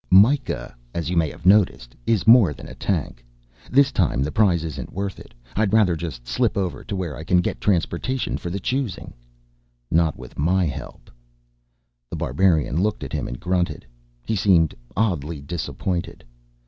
"Myka, as you may have noticed, is more than a tank. This time the prize isn't worth it. I'd rather just slip over to where I can get transportation for the choosing." "Not with my help." The Barbarian looked at him and grunted. He seemed oddly disappointed.